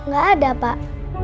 gak ada pak